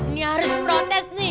mesih harus protes nih